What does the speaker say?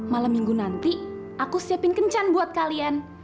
malam minggu nanti aku siapin kencan buat kalian